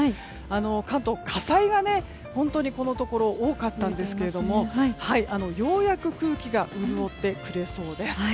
関東、火災が本当にこのところ多かったんですがようやく空気が潤ってくれそうです。